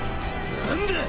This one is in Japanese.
何だ？